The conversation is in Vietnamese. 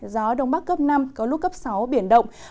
gió đông bắc cấp năm có lúc cấp sáu biển động